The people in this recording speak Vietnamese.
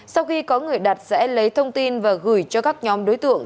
sau khi có người đặt sẽ lấy thông tin và gửi cho các nhóm đối tượng